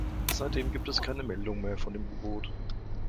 Seitdem gibt es keine Meldung mehr von dem U-Boot.